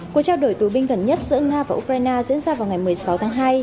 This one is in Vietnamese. cuộc trao đổi tù binh gần nhất giữa nga và ukraine diễn ra vào ngày một mươi sáu tháng hai